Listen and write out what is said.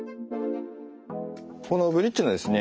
このブリッジのですね